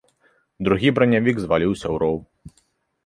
Другі бранявік зваліўся ў роў.